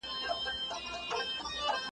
خدای په خپل قلم یم په ازل کي نازولی ,